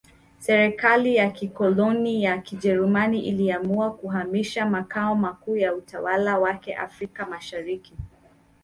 Serikali ya kikoloni ya Kijerumani iliamua kuhamisha makao makuu ya utawala wake Afrika Mashariki